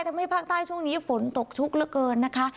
ทำให้ภาคใต้ช่วงนี้ฝนตกชุกเหลือเกินนะคะ